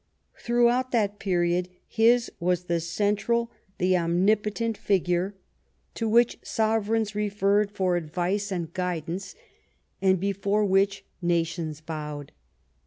Throughout that period his was the central, the omnipotent, figure, to which B 2 LIFE OF PBINCE METTEBNICIL sovereigns referred for advice and guidance, and before which nations bowed.